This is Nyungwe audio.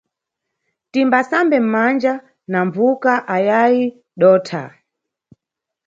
Timbasambe manja na mbvuka ayayi dotha.